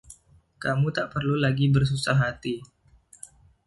Kamu tak perlu lagi bersusah hati.